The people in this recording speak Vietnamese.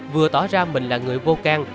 vừa tỏ ra mình là người vô can